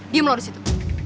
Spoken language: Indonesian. diam lu disitu